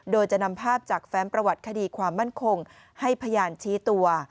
โดยจะนำภาพจากแฟ้มประวัติคดีความมั่นคงให้พยานชี้ตัว